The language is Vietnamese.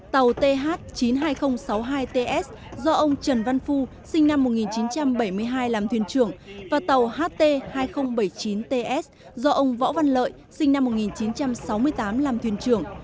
tàu th chín mươi hai nghìn sáu mươi hai ts do ông trần văn phu sinh năm một nghìn chín trăm bảy mươi hai làm thuyền trưởng và tàu ht hai nghìn bảy mươi chín ts do ông võ văn lợi sinh năm một nghìn chín trăm sáu mươi tám làm thuyền trưởng